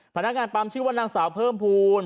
ฝนการปลำชื่อว่านางสาวเพิ่มพรวง